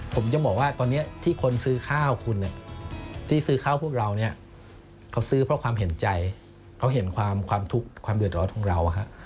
ผมจะบอกว่าตอนนี้ที่คนซื้อข้าวคุณที่ซื้อข้าวพวกเราเนี่ยเขาซื้อเพราะความเห็นใจเขาเห็นความทุกข์ความเดือดร้อนของเรา